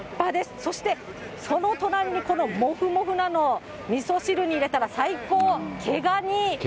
そしてその隣にこのもふもふなの、みそ汁に入れたら最高、毛ガニ。